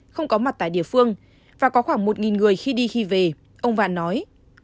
không có mặt tại địa phương và có khoảng một người khi đi khi về ông vạn nói